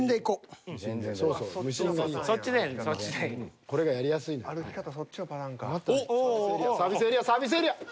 これがやりやすいんだ。